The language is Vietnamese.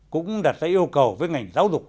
cũng đặt ra yêu cầu với ngành giáo dục